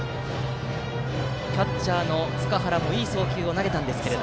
キャッチャーの塚原もいい送球を投げましたが。